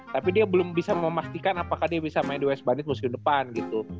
tapi dia belum bisa memastikan apakah dia bisa main the west bandit musim depan gitu